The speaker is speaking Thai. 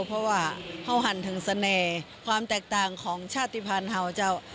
เพราะว่าเขาหันถึงเสน่ห์ความแตกต่างของชาติภัณฑ์เห่าเจ้า